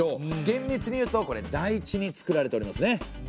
厳密に言うとこれ台地につくられておりますね。